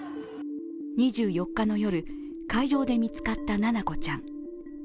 ２４日の夜、海上で見つかった七菜子ちゃん。